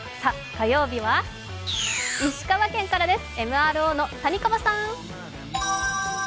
火曜日は石川県からです、ＭＲＯの谷川さん。